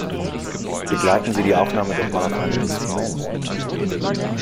Begleiten Sie die Aufnahme doch mal auf einem Instrument!